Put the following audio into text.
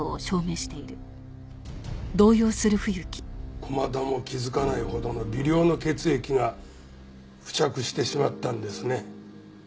駒田も気づかないほどの微量の血液が付着してしまったんですね。